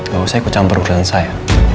loh saya kucam perut dengan saya